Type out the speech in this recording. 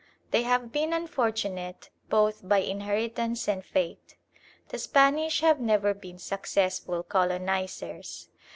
They have been unfortunate both by inheritance and fate. The Spanish have never been successful colonisers.